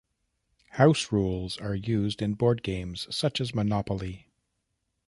House rules are used in board games such as Monopoly.